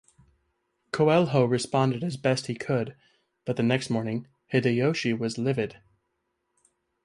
Coelho responded as best he could, but the next morning Hideyoshi was livid.